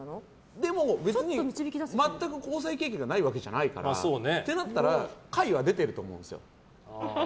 でも別に、全く交際経験がないわけじゃないから。となったら解は出てると思うんですよ。